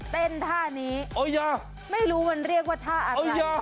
ท่านี้ไม่รู้มันเรียกว่าท่าอะไร